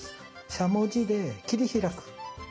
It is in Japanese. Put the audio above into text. しゃもじで切り開く。